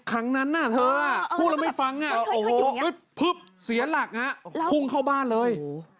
ครั้งนั้นเธอพูดแล้วไม่ฟังโอ้โหเสียหลักพุ่งเข้าบ้านเลย